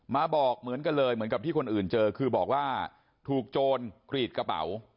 มาบอกเหมือนกันเลยเหมือนกับที่คนอื่นเจอคือบอกว่าถูกโจรกรีดกระเป๋า